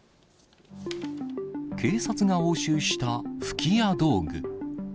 警察が押収した吹き矢道具。